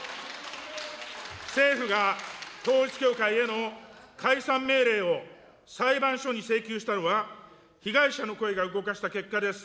政府が、統一教会への解散命令を裁判所に請求したのは、被害者の声が動かした結果です。